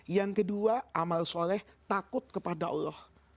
yang kedua amal soleh takut kepada allah